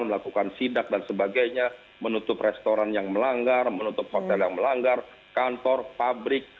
melakukan sidak dan sebagainya menutup restoran yang melanggar menutup hotel yang melanggar kantor pabrik